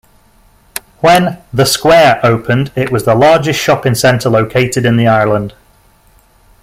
When The Square opened it was the largest shopping centre located in the Ireland.